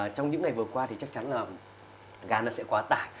trong những ngày vừa qua thì chắc chắn là gà nó sẽ quá tải